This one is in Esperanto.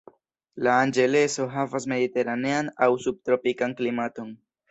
Los Anĝeleso havas mediteranean aŭ subtropikan klimaton.